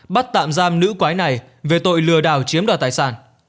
bắt tạm giam nữ quái này về tội lừa đảo chiếm đoạt tài sản